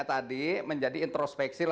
tadi menjadi introspeksi